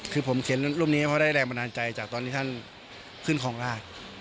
คือผมเขียนรูปนี้เพราะได้แรงบันดาลใจจากตอนที่ท่านขึ้นครองราช